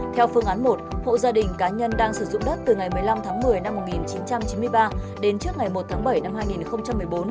theo phương án một hộ gia đình cá nhân đang sử dụng đất từ ngày một mươi năm tháng một mươi năm một nghìn chín trăm chín mươi ba đến trước ngày một tháng bảy năm hai nghìn một mươi bốn